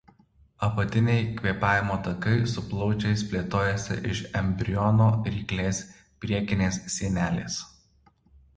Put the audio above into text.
Apatiniai kvėpavimo takai su plaučiais plėtojasi iš embriono ryklės priekinės sienelės.